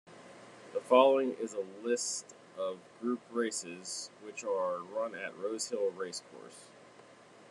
The following is a list of Group races which are run at Rosehill Racecourse.